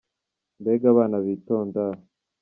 Mbega abana bitonda!